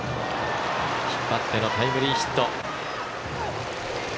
引っ張ってのタイムリーヒット。